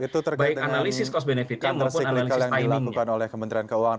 itu terkait dengan counter cyclical yang dilakukan oleh kementerian keuangan